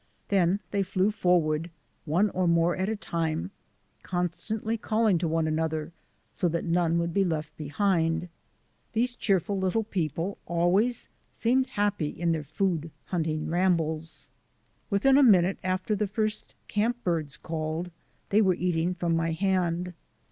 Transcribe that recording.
Then they flew forward, one or more at a time, constantly calling to one another so that none would be left behind. These cheerful little people always seemed happy in their food hunting ram bles. LANDMARKS i 47 Within a minute after the first camp birds called they were eating from my hand.